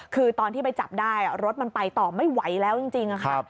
คือตอนที่ไปจับได้รถมันไปต่อไม่ไหวแล้วจริงค่ะ